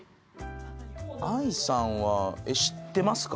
愛さんは知ってますか？